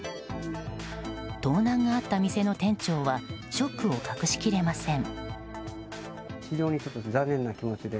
盗難があった店の店長はショックを隠し切れません。